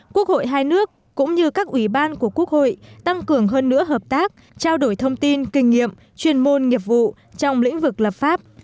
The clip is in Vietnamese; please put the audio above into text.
quốc hội hai nước cũng như các ủy ban của quốc hội tăng cường hơn nữa hợp tác trao đổi thông tin kinh nghiệm chuyên môn nghiệp vụ trong lĩnh vực lập pháp